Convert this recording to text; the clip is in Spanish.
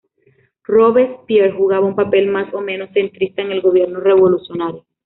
Robespierre jugaba un papel más o menos centrista en el gobierno revolucionario.